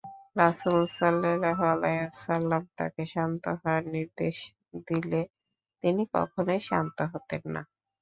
রাসূল সাল্লাল্লাহু আলাইহি ওয়াসাল্লাম তাকে শান্ত হওয়ার নির্দেশ দিলে তিনি কখনোই শান্ত হতেন না।